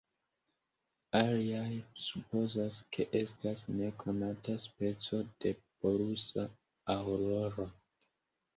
Aliaj supozas, ke estas nekonata speco de polusa aŭroro.